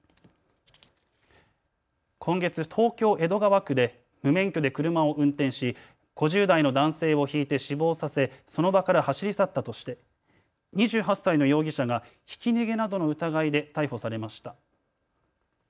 今月、東京江戸川区で無免許で車を運転し５０代の男性をひいて死亡させ、その場から走り去ったとして２８歳の容疑者がひき逃げなどの疑いで逮捕されました。